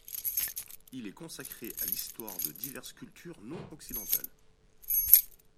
Il est consacré à l'histoire de diverses cultures non occidentales.